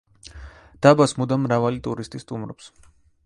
დაბას მუდამ მრავალი ტურისტი სტუმრობს.